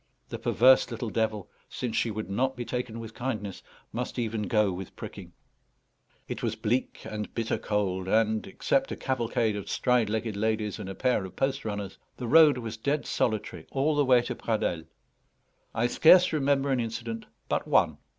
The perverse little devil, since she would not be taken with kindness, must even go with pricking. It was bleak and bitter cold, and, except a cavalcade of stride legged ladies and a pair of post runners, the road was dead solitary all the way to Pradelles. I scarce remember an incident but one.